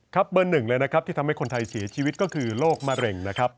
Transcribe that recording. เบอร์หนึ่งเลยนะครับที่ทำให้คนไทยเสียชีวิตก็คือโรคมะเร็งนะครับ